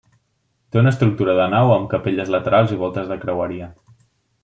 Té una estructura de nau amb capelles laterals i voltes de creueria.